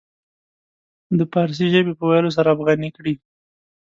د فارسي ژبې په ويلو سره افغاني کړي.